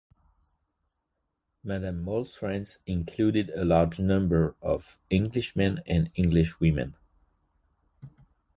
Madame Mohl's friends included a large number of Englishmen and Englishwomen.